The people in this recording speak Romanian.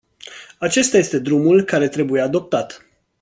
Acesta este drumul care trebuie adoptat.